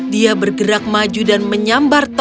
dia bergerak maju dan menyambar